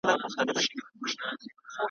پرون چي مي خوبونه وه لیدلي ریشتیا کیږي ,